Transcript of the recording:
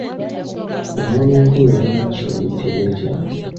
Engoma enkulu eya Nnamasole eyitibwa etya?